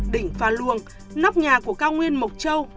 đỉnh pha luông nóc nhà của cao nguyên mộc châu